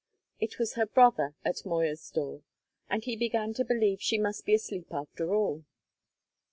It was her brother at Moya's door, and he began to believe she must be asleep after all.